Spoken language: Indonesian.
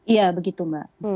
iya begitu mbak